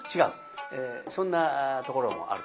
そんなところもあると思います。